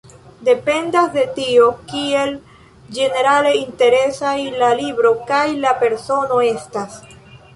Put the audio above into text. Dependas de tio, kiel ĝenerale interesaj la libro kaj la persono estas.